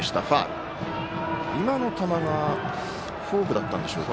今の球がフォークだったんでしょうか。